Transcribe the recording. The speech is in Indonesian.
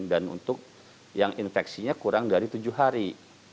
dan untuk yang infeksinya kurang dari tujuh hari